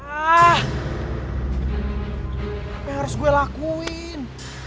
apa yang harus gue lakuin